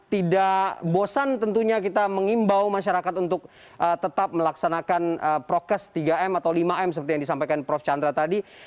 tidak bosan tentunya kita mengimbau masyarakat untuk tetap melaksanakan prokes tiga m atau lima m seperti yang disampaikan prof chandra tadi